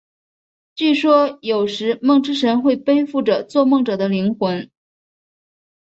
据说有时梦之神会背负着做梦者的灵魂。